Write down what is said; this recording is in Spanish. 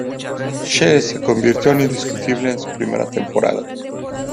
Čech se convirtió en titular indiscutible en su primera temporada.